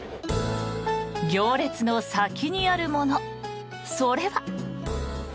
行列の先にあるものそれは。